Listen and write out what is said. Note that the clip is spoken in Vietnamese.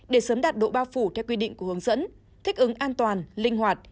để sớm đạt độ bao phủ theo quy định của hướng dẫn thích ứng an toàn linh hoạt